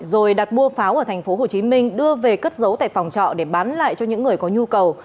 rồi đặt mua pháo ở tp hcm đưa về cất giấu tại phòng trọ để bán lại cho những người có nhu cầu